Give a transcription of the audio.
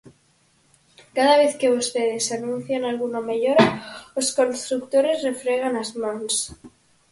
Cada vez que vostedes anuncian algunha mellora, os construtores refregan as mans.